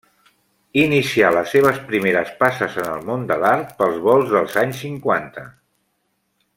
Inicià les seves primeres passes en el món de l'art pels volts dels anys cinquanta.